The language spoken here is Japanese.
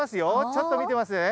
ちょっと見てみますね。